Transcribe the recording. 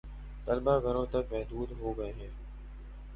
طلبا گھروں تک محدود ہو گئے ہیں